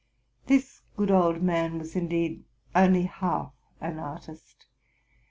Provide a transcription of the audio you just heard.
This good old man was indeed only half an artist.